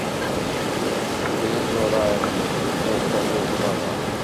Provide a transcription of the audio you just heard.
Tefka iẓuran, tuɣ tamurt merra!